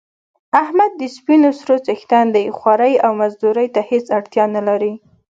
احمد د سپینو سرو څښتن دی خوارۍ او مزدورۍ ته هېڅ اړتیا نه لري.